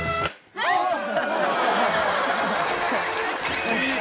あっ！